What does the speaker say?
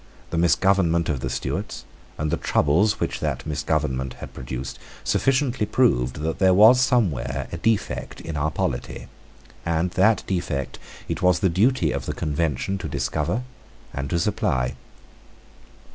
The misgovernment of the Stuarts, and the troubles which that misgovernment had produced, sufficiently proved that there was somewhere a defect in our polity; and that defect it was the duty of the Convention to discover and to supply.